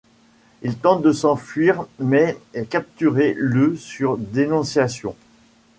Il tente de s’enfuir mais est capturé le sur dénonciation.